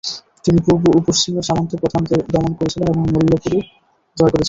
তিনি পূর্ব ও পশ্চিমের সামন্তপ্রধানদের দমন করেছিলেন এবং মল্লপুরীও জয় করেছিলেন।